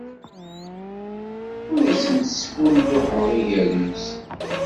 Ur asent-sfulluḥeɣ iger-nsent.